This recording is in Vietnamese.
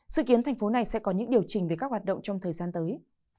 sự kiến thành phố này sẽ có những điều chỉnh về các hoạt động trong thời gian tới